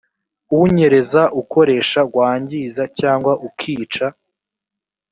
unyereza ukoresha wangiza cyangwa ukica